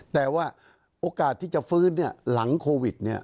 แต่ว่าโอกาสที่จะฟื้นหลังโควิด